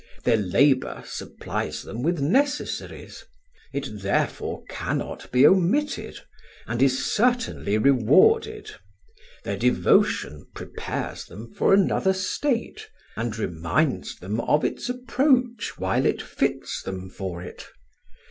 Their labour supplies them with necessaries; it therefore cannot be omitted, and is certainly rewarded. Their devotion prepares them for another state, and reminds them of its approach while it fits them for it.